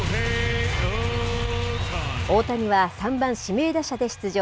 大谷は３番指名打者で出場。